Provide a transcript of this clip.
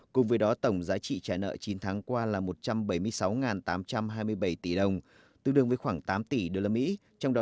cùng với đó tổng giá trị trả nợ chín tháng qua là một trăm bảy mươi sáu tám trăm hai mươi bảy tỷ đồng tương đương với khoảng tám tỷ usd